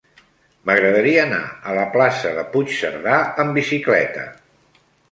M'agradaria anar a la plaça de Puigcerdà amb bicicleta.